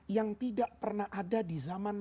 yang tidak pernah ada di zaman